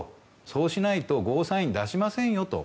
そうしないとゴーサインを出しませんよと。